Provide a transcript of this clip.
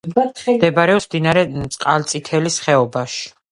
მდებარეობს მდინარე წყალწითელის ხეობაში.